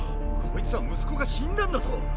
こいつは息子が死んだんだぞ